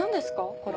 これ。